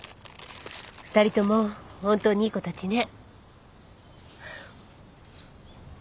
２人とも本当にいい子たちね。